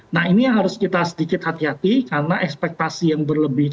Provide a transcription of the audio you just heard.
nah ini yang harus kita sedikit hati hati karena ekspektasi yang berlebih